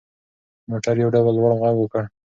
موټر یو ډول لوړ غږ وکړ.